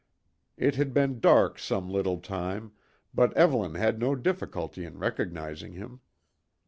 It had been dark some little time, but Evelyn had no difficulty in recognising him.